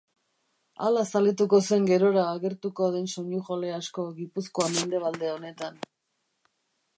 Hala zaletuko zen gerora agertuko den soinujole asko Gipuzkoa mendebalde honetan.